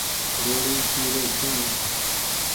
ڳوڙي پيرو ڇون ۔